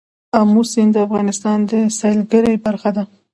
آمو سیند د افغانستان د سیلګرۍ برخه ده.